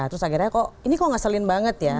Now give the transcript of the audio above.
terus akhirnya kok ini kok ngeselin banget ya